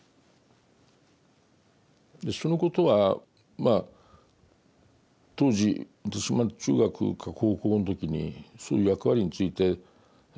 そのことは当時私まだ中学か高校の時にそういう役割について疑問に思ってましたから